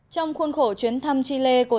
trong khuôn khổ chuyến thăm chile của tàu hòa